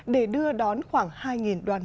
để đưa đón khoảng hai đoàn